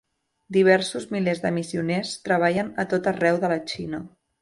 Diversos milers de missioners treballaven a tot arreu de la Xina.